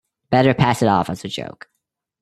Better pass it off as a joke.